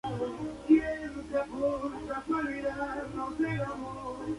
Presidenta de la Comisión de la Mujer y Desarrollo Social.